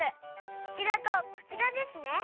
こちらとこちらですね。